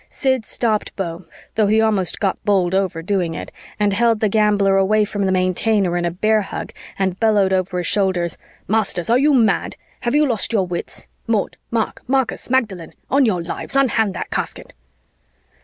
Sid stopped Beau, though he almost got bowled over doing it, and he held the gambler away from the Maintainer in a bear hug and bellowed over his shoulders, "Masters, are you mad? Have you lost your wits? Maud! Mark! Marcus! Magdalene! On your lives, unhand that casket!"